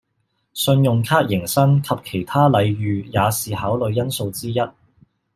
信用卡迎新及其他禮遇也是考慮因素之一